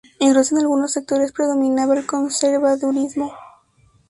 Incluso en algunos sectores predominaba el conservadurismo.